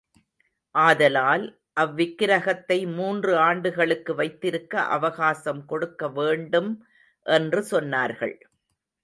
ஆதலால் அவ்விக்கிரகத்தை மூன்று ஆண்டுகளுக்கு வைத்திருக்க அவகாசம் கொடுக்க வேண்டும் என்று சொன்னார்கள்.